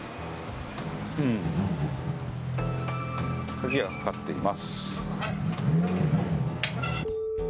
鍵がかかっています。